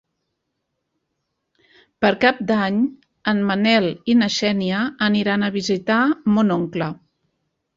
Per Cap d'Any en Manel i na Xènia aniran a visitar mon oncle.